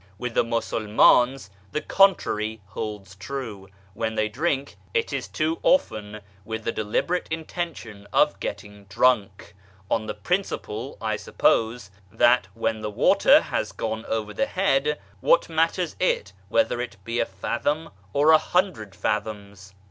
With the Musulmans the contrary holds good ; when they drink, it is too often with the deliberate intention of getting drunk, on the principle, I sup pose, that " when the water has gone over the head, what matters it whether it be a fathom or a hundred fathoms